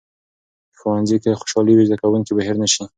که ښوونځي کې خوشالي وي، زده کوونکي به هیر نسي.